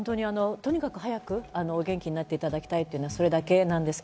とにかく早くお元気になっていただきたい、それだけです。